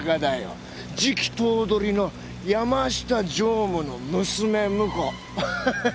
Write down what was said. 次期頭取の山下常務の娘婿。